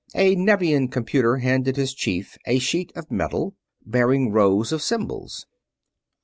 A Nevian computer handed his chief a sheet of metal, bearing rows of symbols.